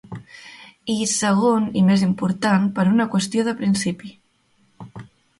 I segon, i més important, per una qüestió de principi.